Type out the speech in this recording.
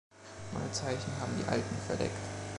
Neue Zeichen haben die alten verdeckt.